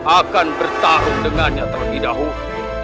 akan bertarung dengannya terlebih dahulu